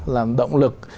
làm động lực